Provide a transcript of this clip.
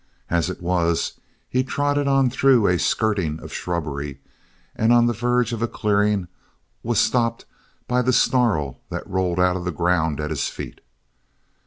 As it was, he trotted on through a skirting of shrubbery and on the verge of a clearing was stopped by a snarl that rolled out of the ground at his feet.